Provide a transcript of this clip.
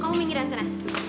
kamu minggirkan sana